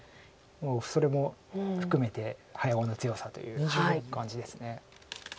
もうそれも含めて早碁の強さという感じです。